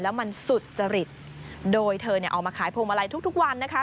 แล้วมันสุจริตโดยเธอเนี่ยออกมาขายพวงมาลัยทุกวันนะคะ